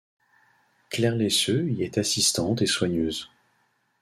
Claire Lesceux y est assistante et soigneuse.